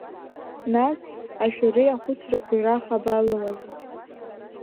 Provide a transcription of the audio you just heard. Нас ашәареи ахәыцрақәеи раха абалымаз…